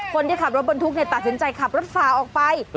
คนที่ขับรถบรรทุกตัดสินใจขับรถฝ่าออกไป